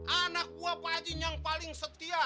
anak gue pak haji yang paling setia